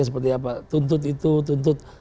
seperti apa tuntut itu tuntut